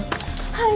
はい。